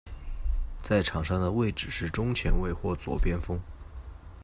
在场上的位置是中前卫或左边锋。